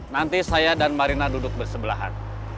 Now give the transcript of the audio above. nanti saya dan marina duduk bersebelahan